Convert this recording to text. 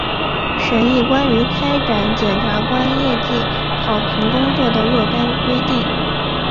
审议关于开展检察官业绩考评工作的若干规定